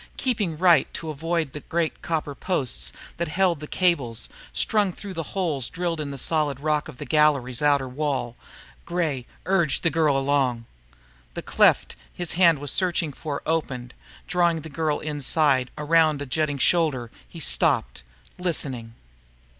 Keeping right to avoid the great copper posts that held the cables, strung through holes drilled in the solid rock of the gallery's outer wall, Gray urged the girl along. The cleft his hand was searching for opened. Drawing the girl inside, around a jutting shoulder, he stopped, listening.